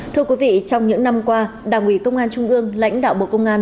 thưa quý vị trong những năm qua đảng ủy công an trung ương lãnh đạo bộ công an